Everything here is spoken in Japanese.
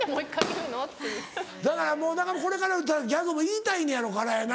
だから中村これからもたぶんギャグ言いたいのやろうからやな。